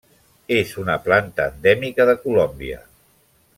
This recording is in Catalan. És una planta endèmica de Colòmbia.